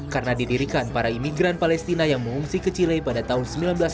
karena didirikan para imigren palestina yang mengungsi ke chile pada tahun seribu sembilan ratus dua puluh